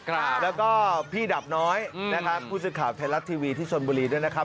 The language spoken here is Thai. แล้วก็พี่ดับน้อยผู้สินข่าวไทยรัฐทีวีที่สนบุหรี่ด้วยนะครับ